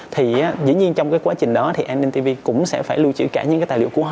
thì dĩ nhiên trong cái quá trình đó thì anintv cũng sẽ phải lưu trữ cả những cái tài liệu